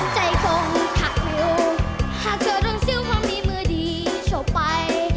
ใจคงขัดมือหากเธอต้องซื้อความดีมือดีชบไป